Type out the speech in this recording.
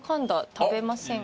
食べませんか？